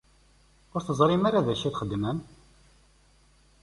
Ur teẓrim ara d acu i txedmem?